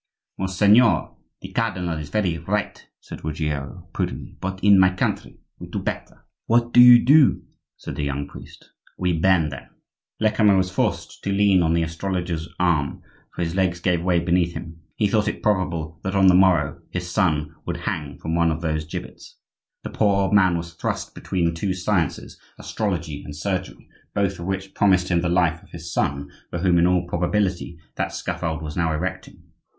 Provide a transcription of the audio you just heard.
"Monseigneur the cardinal is very right," said Ruggiero, prudently; "but in my country we do better." "What do you do?" said the young priest. "We burn them." Lecamus was forced to lean on the astrologer's arm, for his legs gave way beneath him; he thought it probable that on the morrow his son would hang from one of those gibbets. The poor old man was thrust between two sciences, astrology and surgery, both of which promised him the life of his son, for whom in all probability that scaffold was now erecting.